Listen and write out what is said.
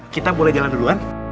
kita boleh jalan duluan